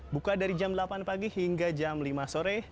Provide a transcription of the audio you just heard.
buka dari jam delapan pagi hingga jam lima sore